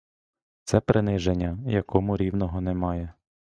Це приниження, якому рівного немає!